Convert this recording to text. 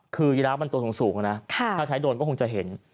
คือยิรับมันตรงสูงถ้าใช้โดรนก็คงจะเห็น